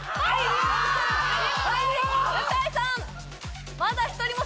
向井さん